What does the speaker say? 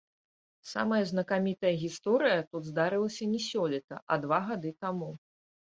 Самая знакамітая гісторыя тут здарылася не сёлета, а два гады таму.